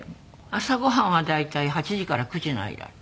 朝ご飯は大体８時から９時の間。